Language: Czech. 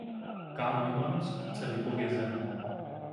K. Neumann z obce vypovězen.